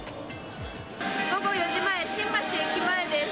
午後４時前、新橋駅前です。